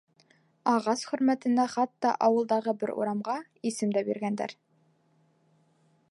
Ағас хөрмәтенә хатта ауылдағы бер урамға исем дә биргәндәр.